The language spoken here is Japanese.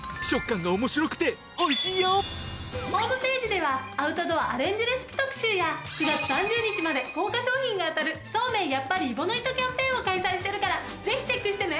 ホームページではアウトドアアレンジレシピ特集や９月３０日まで豪華賞品が当たる「そうめんやっぱり揖保乃糸」キャンペーンを開催してるからぜひチェックしてね。